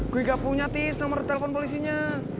gue nggak punya tis nomer telepon polisinya